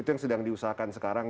itu yang sedang diusahakan sekarang